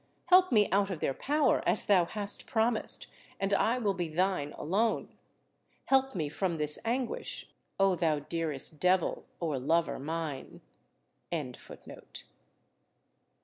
Help me out of their power, as thou hast promised, and I will be thine alone. Help me from this anguish, O thou dearest devil [or lover] mine!"